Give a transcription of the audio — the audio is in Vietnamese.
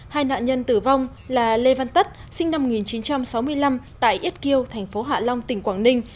hai nạn nhân tử vong là lê văn tất sinh năm một nghìn chín trăm sáu mươi năm tại yết kiêu thành phố hạ long tỉnh quảng ninh